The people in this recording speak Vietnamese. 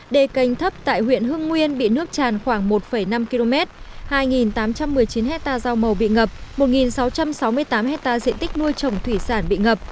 đề canh thấp tại huyện hưng nguyên bị nước tràn khoảng một năm km hai tám trăm một mươi chín hectare rau màu bị ngập một sáu trăm sáu mươi tám hectare diện tích nuôi trồng thủy sản bị ngập